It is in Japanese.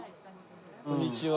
こんにちは。